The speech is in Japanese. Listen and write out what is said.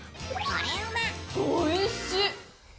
おいしっ！